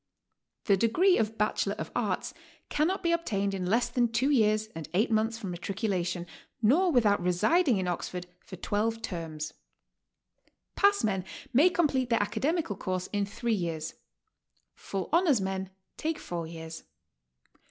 The degree of Bachelor of Arts cannot be obtained in less than two years and eight months from matriculation, nor without residing in Oxford for twelve terms. Passmen may complete their academical course in three years; full honors men take four years.